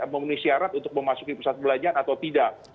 memenuhi syarat untuk memasuki pusat perbelanjaan atau tidak